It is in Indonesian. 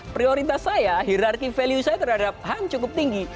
prioritas saya hirarki value saya terhadap ham cukup tinggi